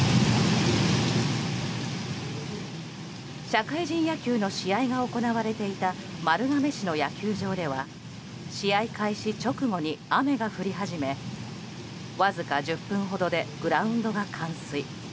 社会人野球の試合が行われていた丸亀市の野球場では試合開始直後に雨が降り始めわずか１０分ほどでグラウンドが冠水。